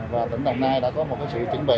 và tỉnh đồng nai đã có một sự chuẩn bị